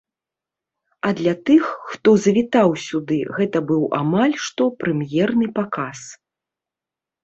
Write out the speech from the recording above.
А для тых, хто завітаў сюды, гэта быў амаль што прэм'ерны паказ.